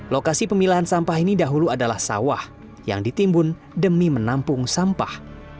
lokasi pemilahan sampah ini dahulu adalah sawah yang ditimbun demi menampung sampah